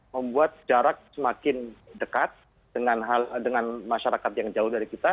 membuat jarak semakin dekat dengan masyarakat yang jauh dari kita